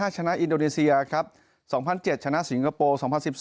ชนะอินโดนีเซียครับ๒๐๐๗ชนะสิงคโปร์๒๐๑๒